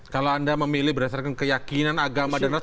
kalau anda memilih berdasarkan keyakinan agama dan rasi